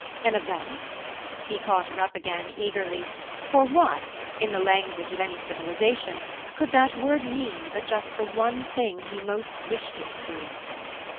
"An event?" he caught her up again, eagerly; for what, in the language of any civilization, could that word mean but just the one thing he most wished it to?